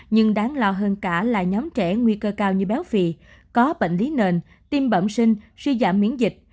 nhưng đáng lo hơn cả là nhóm trẻ nguy cơ cao như béo phì có bệnh lý nền tim bẩm sinh suy giảm miễn dịch